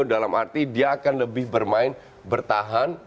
dalam arti dia akan lebih bermain bertahan